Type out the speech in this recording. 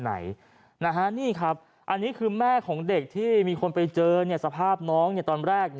นี่ครับอันนี้คือแม่ของเด็กที่มีคนไปเจอสภาพน้องตอนแรก